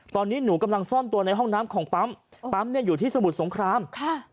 ตอนนี้หนูกำลังซ่อนตัวในห้องน้ำของปั๊มปั๊มเนี่ยอยู่ที่สมุทรสงครามค่ะ